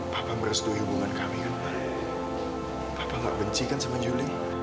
papa merestui hubungan kami kan ma papa gak benci kan sama juli